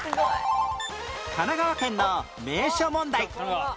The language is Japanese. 神奈川県の名所問題